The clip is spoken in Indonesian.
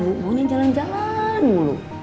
buahnya jalan jalan mulu